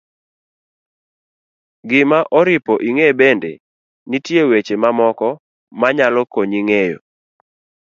gima oripo ing'e bende, nitie weche mamoko ma nyalo konyi ng'eyo